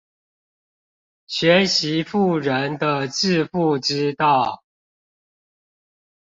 學習富人的致富之道